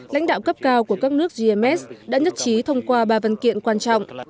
lãnh đạo cấp cao của các nước gms đã nhất trí thông qua ba văn kiện quan trọng